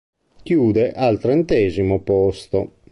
Chiude al trentesimo posto.